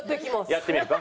やってみるか？